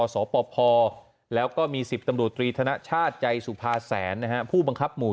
สพแล้วก็มี๑๐ตำรวจตรีธนชาติใจสุภาแสนผู้บังคับหมู่